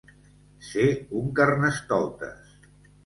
Ser un carnestoltes.